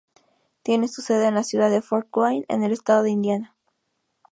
Tienen su sede en la ciudad de Fort Wayne, en el estado de Indiana.